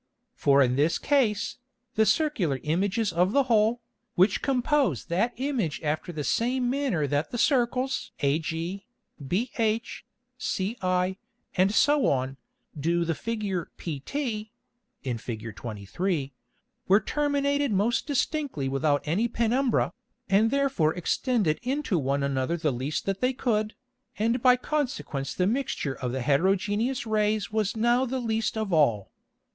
For in this Case, the Circular Images of the Hole, which compose that Image after the same manner that the Circles ag, bh, ci, &c. do the Figure pt [in Fig. 23.] were terminated most distinctly without any Penumbra, and therefore extended into one another the least that they could, and by consequence the Mixture of the heterogeneous Rays was now the least of all.